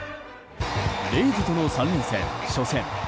レイズとの３連戦、初戦。